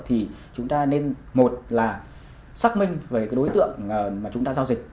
thì chúng ta nên một là xác minh với đối tượng mà chúng ta giao dịch